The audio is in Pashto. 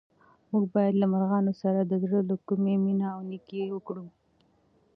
موږ باید له مرغانو سره د زړه له کومې مینه او نېکي وکړو.